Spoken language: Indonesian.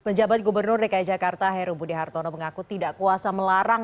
pejabat gubernur dki jakarta heru budi hartono mengaku tidak kuasa melarang